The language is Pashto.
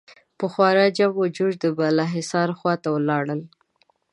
په خورا جم و جوش د بالاحصار خوا ته ولاړل.